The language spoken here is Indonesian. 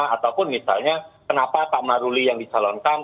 ataupun misalnya kenapa pak maruli yang dicalonkan